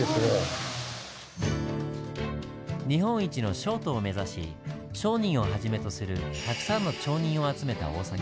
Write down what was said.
日本一の商都を目指し商人をはじめとするたくさんの町人を集めた大阪。